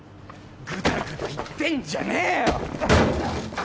グダグダ言ってんじゃねえよ！